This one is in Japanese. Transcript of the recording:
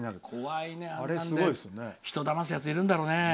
人をだますやつがいるんだろうね。